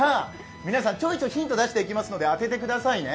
皆さん、ちょいちょいヒント出していきますので当ててくださいね。